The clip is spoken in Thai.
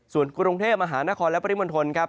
ส่วนกรุงเทพมหานครและปริมณฑลครับ